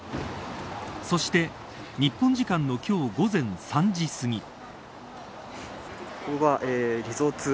そして日本時間の今日午前３時すぎ。